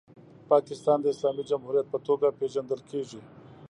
پاکستان د اسلامي جمهوریت په توګه پیژندل کیږي.